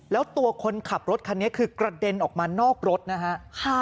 แล้วตัวคนขับรถคันนี้คือกระเด็นออกมานอกรถนะฮะ